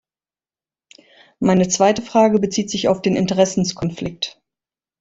Meine zweite Frage bezieht sich auf den Interessenskonflikt.